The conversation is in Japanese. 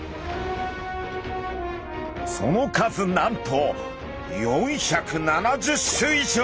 その数なんと４７０種以上！